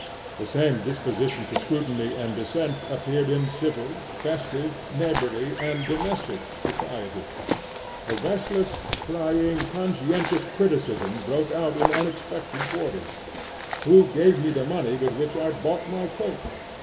The same disposition to scrutiny and dissent appeared in civil, festive, neighborly, and domestic society. A restless, prying, conscientious criticism broke out in unexpected quarters. Who gave me the money with which I bought my coat?